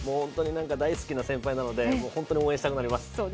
大好きな先輩なのでホントに応援したくなります。